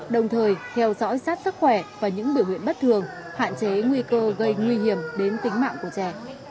đồng thời theo dõi sát sức khỏe và những biểu hiện bất thường hạn chế nguy cơ gây nguy hiểm đến tính mạng của trẻ